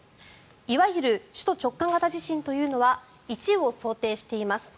いわゆる首都直下型地震というのは１を想定しています。